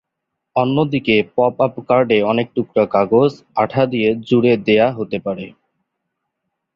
অন্যদিকে pop up কার্ডে অনেক টুকরা কাগজ আঠা দিয়ে জুড়ে দেয়া হতে পারে।